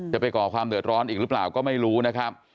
ไปก่อความเดือดร้อนอีกหรือเปล่าก็ไม่รู้นะครับ